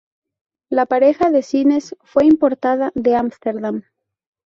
La pareja de cisnes fue importada de Ámsterdam.